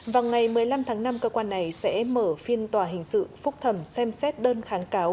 vào ngày một mươi năm tháng năm cơ quan này sẽ mở phiên tòa hình sự phúc thẩm xem xét đơn kháng cáo